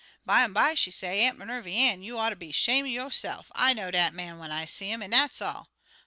"Bimeby, she say, 'Aunt Minervy Ann, you ought ter be 'shame or yo'se'f! I know dat man when I see 'im, an' dat's all.'